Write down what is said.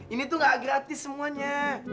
ini tuh gak gratis semuanya